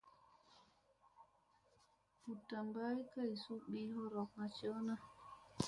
Ngutda Mba Kay Suu Pi Horokŋa Jewna.